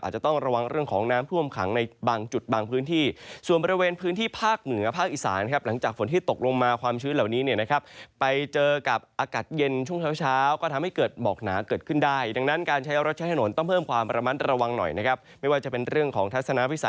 จะต้องระวังเรื่องของน้ำท่วมขังในบางจุดบางพื้นที่ส่วนบริเวณพื้นที่ภาคเหนือภาคอีสานครับหลังจากฝนที่ตกลงมาความชื้นเหล่านี้เนี่ยนะครับไปเจอกับอากาศเย็นช่วงเช้าเช้าก็ทำให้เกิดหมอกหนาเกิดขึ้นได้ดังนั้นการใช้รถใช้ถนนต้องเพิ่มความระมัดระวังหน่อยนะครับไม่ว่าจะเป็นเรื่องของทัศน